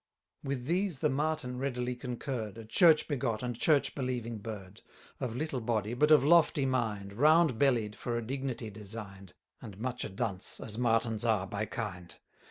460 With these the Martin readily concurr'd, A church begot, and church believing bird; Of little body, but of lofty mind, Round bellied, for a dignity design'd, And much a dunce, as Martins are by kind.